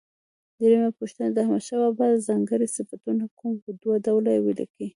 درېمه پوښتنه: د احمدشاه بابا ځانګړي صفتونه کوم و؟ دوه ډوله یې ولیکئ.